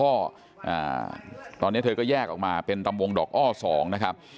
ก็ตอนนี้เธอก็แยกออกมาเป็นตำวงดอกอ้อสองนะครับ